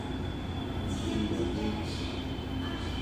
nalluyagutuq